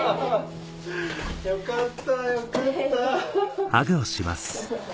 よかったよかった！